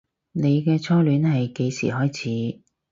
你嘅初戀係幾時開始